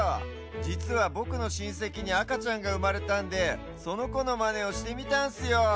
じつはぼくのしんせきにあかちゃんがうまれたんでそのこのまねをしてみたんすよ。